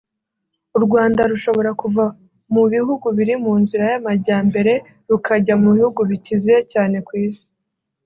u Rwanda rushobora kuva mu bihugu biri mu nzira y'amajyambere rukajya mu bihugu bikize cyane ku isi